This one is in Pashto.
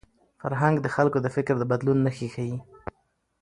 فرهنګ د خلکو د فکر د بدلون نښې ښيي.